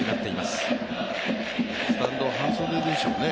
スタンド、半袖でしょうね。